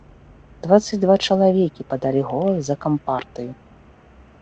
Дваццаць два чалавекі падалі голас за кампартыю.